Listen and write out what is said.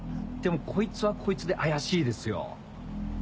でもこいつはこいつで怪しいですよ。